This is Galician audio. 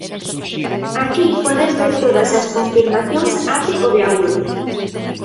Aquí podes ver todas as confirmacións até o de agora.